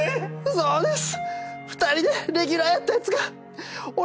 そうです。